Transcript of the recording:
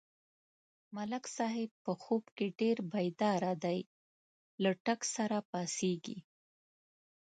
ملک صاحب په خوب کې ډېر بیداره دی، له ټک سره پا څېږي.